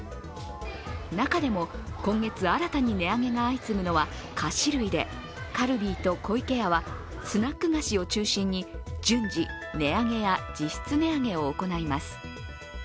中でも、今月新たに値上げが相次ぐのは菓子類でカルビーと湖池屋はスナック菓子を中心に順次、値上げや実質値上げを行います。